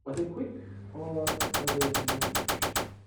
Were they quick or were they enraged?